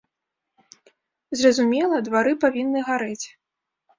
Зразумела, двары павінны гарэць.